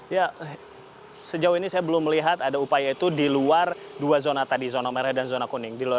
ya sejauh ini saya belum melihat ada upaya itu di luar dua zona tadi zona merah dan zona kuning